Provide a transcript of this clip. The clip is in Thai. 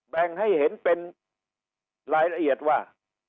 แบ่งให้เห็นเป็นรายละเอียดว่า